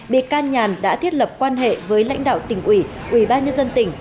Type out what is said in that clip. bị can nhàn đã thiết lập quan hệ với lãnh đạo tỉnh ủy ủy ban nhân dân tỉnh